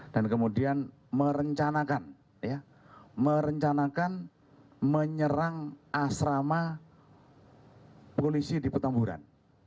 dan kemudian merencanakan merencanakan menyerang asrama polisi di petamburan